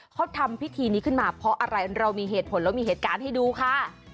เขาทำพิธีนี้ขึ้นมาเพราะอะไรเรามีเหตุผลแล้วมีเหตุการณ์ให้ดูค่ะ